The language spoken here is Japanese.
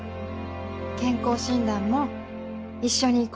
健康診断も一緒に行こうね。